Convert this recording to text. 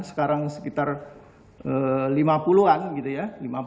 sekarang sekitar lima puluh an gitu ya